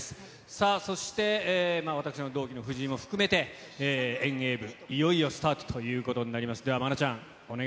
さあ、そして私の同期の藤井も含めて、遠泳部、いよいよスタートということになります。